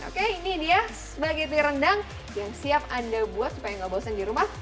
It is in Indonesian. oke ini dia sebagian rendang yang siap anda buat supaya enggak bosen di rumah